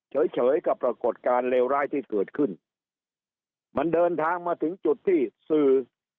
เฉยเฉยกับปรากฏการณ์เลวร้ายที่เกิดขึ้นมันเดินทางมาถึงจุดที่สื่อ